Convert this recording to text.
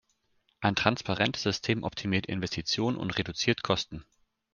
Ein transparentes System optimiert Investitionen und reduziert Kosten.